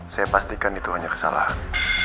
saya pastikan itu hanya kesalahan